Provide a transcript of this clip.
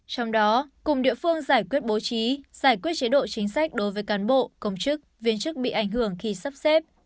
trong đó cùng địa phương giải quyết bố trí giải quyết chế độ chính sách đối với cán bộ công chức viên chức bị ảnh hưởng khi sắp xếp